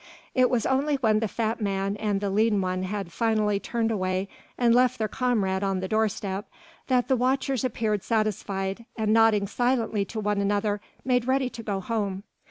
It was only when the fat man and the lean one had finally turned away and left their comrade on the doorstep that the watchers appeared satisfied and nodding silently to one another made ready to go home.